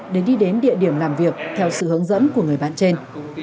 để đi đến địa điểm làm việc theo sự hướng dẫn của người bạn trên